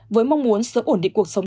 với mong muốn sửa ổn định cuộc sống